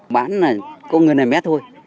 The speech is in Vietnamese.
bán là có người này mét thôi